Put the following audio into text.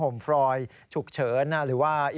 มีโดยมี